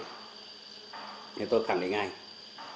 thế tôi khẳng định anh